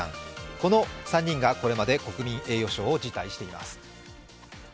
この３人が、これまで国民栄誉賞を辞退しています。